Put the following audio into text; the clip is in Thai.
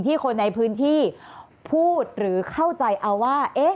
คนในพื้นที่พูดหรือเข้าใจเอาว่า